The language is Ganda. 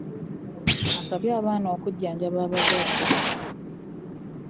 Asabye abaana okujjanjaba abazadde.